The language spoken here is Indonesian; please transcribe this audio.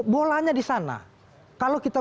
bolanya di sana kalau kita